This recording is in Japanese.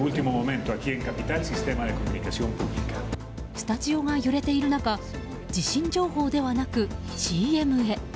スタジオが揺れている中地震情報ではなく、ＣＭへ。